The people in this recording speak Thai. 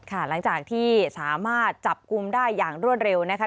หลังจากที่สามารถจับกลุ่มได้อย่างรวดเร็วนะคะ